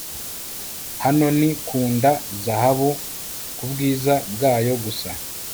Hano ni kunda zahabu kubwiza bwayo gusa